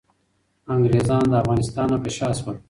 انګریزان له افغانستان نه په شا شول.